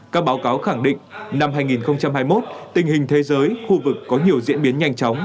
các báo cáo khẳng định năm hai nghìn hai mươi một tình hình thế giới khu vực có nhiều diễn biến nhanh chóng